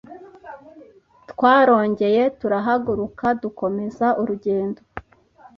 Twarongeye turahaguruka dukomeza urugendo